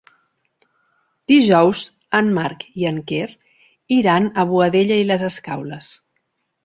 Dijous en Marc i en Quer iran a Boadella i les Escaules.